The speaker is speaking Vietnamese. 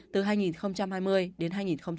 từ hai nghìn hai mươi đến hai nghìn hai mươi